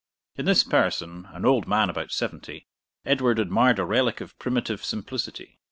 In this person, an old man about seventy, Edward admired a relic of primitive simplicity.